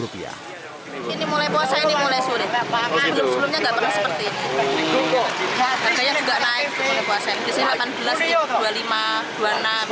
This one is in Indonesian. akhirnya juga naik ke mulai puasa ini disini delapan belas dua puluh lima dua puluh enam gitu